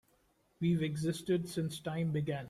We've existed since time began.